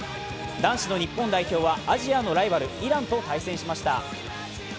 男子の日本代表はアジアのライバル・イランと対戦しました。